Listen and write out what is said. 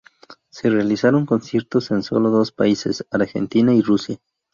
Se realizaron conciertos en sólo dos países, Argentina y Rusia.